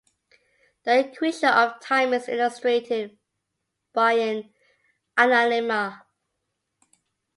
The equation of time is illustrated by an analemma.